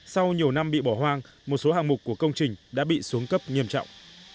sau nhiều năm bị bỏ hoang một số hàng mục của công trình đã bị xuống cấp nghiêm trọng